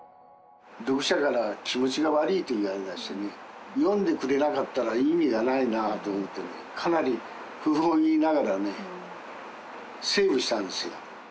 読者から、気持ちが悪いと言われましてね、読んでくれなかったら意味がないなと思ってね、かなり不本意ながらね、セーブしたんですよ。